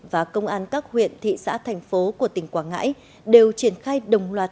và công an các huyện thị xã thành phố của tỉnh quảng ngãi đều triển khai đồng loạt